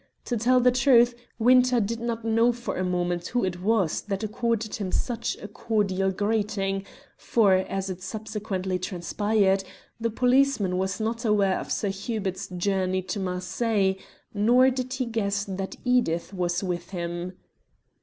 To tell the truth, Winter did not know for a moment who it was that accorded him such a cordial greeting, for, as it subsequently transpired, the policeman was not aware of Sir Hubert's journey to Marseilles, nor did he guess that Edith was with him.